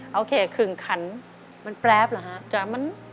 เอาแค่ครึ่งขันมันแปรบเหรอครับ